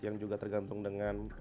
yang juga tergantung dengan